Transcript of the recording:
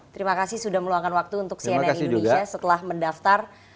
terima kasih sudah meluangkan waktu untuk cnn indonesia setelah mendaftar